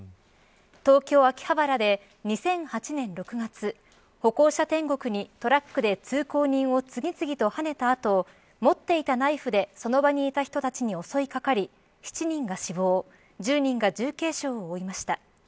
東京、秋葉原で２００８年６月歩行者天国にトラックで通行人を次々とはねた後持っていたナイフでその場にいた人たちに襲いかかり７人が死亡１０人が重軽傷を負いました。